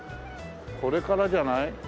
これからじゃない？